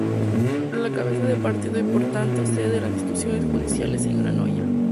La cabeza de partido y por tanto sede de las instituciones judiciales es Granollers.